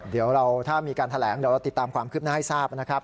เดี๋ยวเราถ้ามีการแถลงเดี๋ยวเราติดตามความคืบหน้าให้ทราบนะครับ